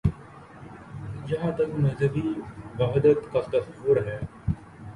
جہاں تک مذہبی وحدت کا تصور ہے۔